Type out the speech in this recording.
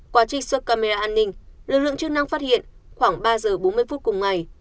qua trích xuất camera an ninh lực lượng chức năng phát hiện khoảng ba giờ bốn mươi phút cùng ngày